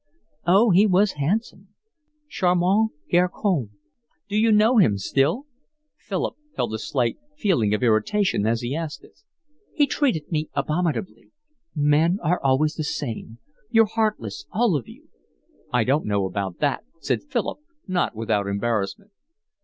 "Oh, he was handsome. Charmant garcon." "Do you know him still?" Philip felt a slight feeling of irritation as he asked this. "He treated me abominably. Men are always the same. You're heartless, all of you." "I don't know about that," said Philip, not without embarrassment.